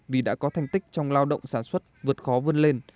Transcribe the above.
vì đã có thành tích trong lao động sản xuất vượt khó vươn lên